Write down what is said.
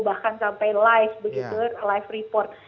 bahkan sampai live report